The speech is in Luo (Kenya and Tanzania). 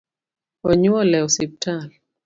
Onyuol e osiptal